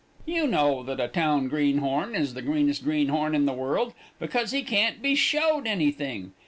You know that a town greenhorn is the greenest greenhorn in the world, because he can't be showed anything.